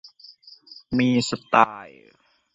มีสไตล์